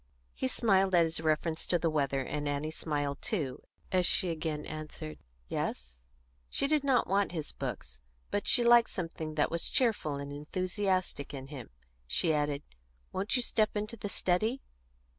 He smiled at his reference to the weather, and Annie smiled too as she again answered, "Yes?" She did not want his books, but she liked something that was cheerful and enthusiastic in him; she added, "Won't you step into the study?"